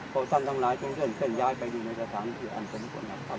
โฆษันทั้งหลายจนเลื่อนเส้นย้ายไปดินในสถานที่อันสมควรนับสรรคม